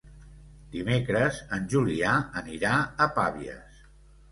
Dimecres en Julià anirà a Pavies.